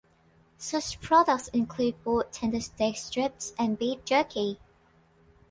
Such products include both tender steak strips and beef jerky.